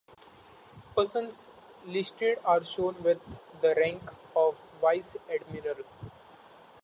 Persons listed are shown with the rank of vice admiral.